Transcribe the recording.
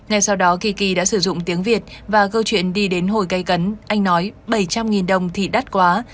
ngày sau đó kiki đã sử dụng tiếng việt và câu chuyện đi đến hồi cây cấn anh nói bảy trăm linh đồng thì đắt quá